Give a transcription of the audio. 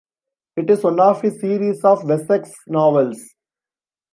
It is one of his series of Wessex novels.